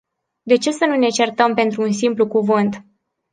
De ce să nu ne certăm pentru un simplu cuvânt?